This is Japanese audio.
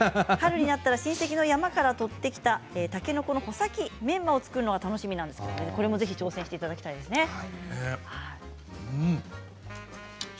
春になったら親戚の山から採ってきたたけのこの穂先メンマを作るのが楽しみということですがこれもぜひ挑戦していただきたいですね。